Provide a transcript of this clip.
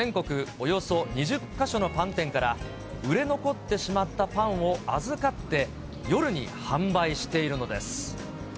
およそ２０か所のパン店から、売れ残ってしまったパンを預かって、夜に販売しているのです。